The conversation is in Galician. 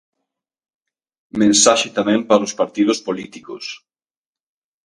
Mensaxe tamén para os partidos políticos.